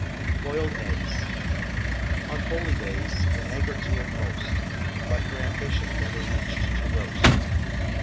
BOILED EGGS. On holydays, an egg or two at most; But her ambition never reached to roast.